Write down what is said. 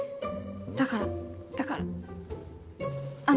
だからだからあの。